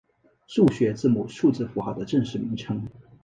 数学字母数字符号的正式名称。